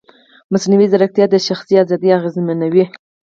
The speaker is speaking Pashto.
مصنوعي ځیرکتیا د شخصي ازادۍ اغېزمنوي.